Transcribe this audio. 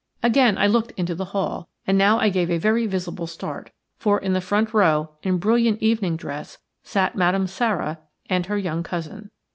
Again I looked into the hall, and now I gave a very visible start; for in the front row, in brilliant evening dress, sat Madame Sara and her young cousin.